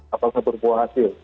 apakah berpuas hati